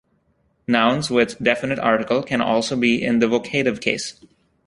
Nouns with definite article can also be in the vocative case.